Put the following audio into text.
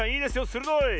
するどい！